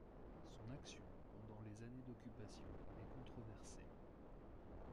Son action pendant les années d’occupation est controversée.